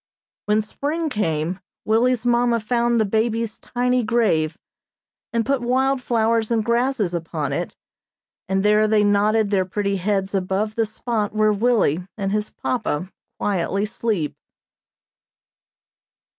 When spring came Willie's mamma found the baby's tiny grave, and put wild flowers and grasses upon it, and there they nodded their pretty heads above the spot where Willie and his papa quietly sleep.